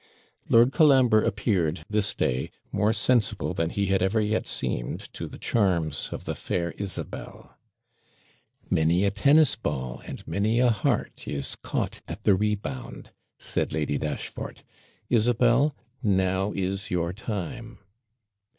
Lord Colambre appeared this day more sensible, than he had ever yet seemed, to the charms of the fair Isabel. 'Many a tennis ball, and many a heart is caught at the rebound,' said Lady Dashfort. 'Isabel! now is your time!'